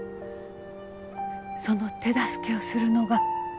その手助けをするのが。